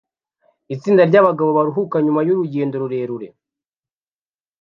Itsinda ryabagabo baruhuka nyuma yurugendo rurerure